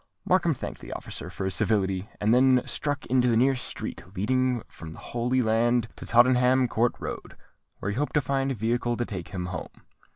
Markham thanked the officer for his civility, and then struck into the nearest street leading from the Holy Land to Tottenham Court Road, where he hoped to find a vehicle to take him home.